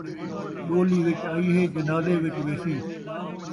ݙولی وچ آئی ہے ، جنازے وچ ویسی